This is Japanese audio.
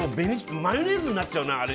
マヨネーズになっちゃうな。